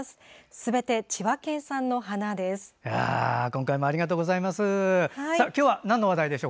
すべて千葉県産の花です。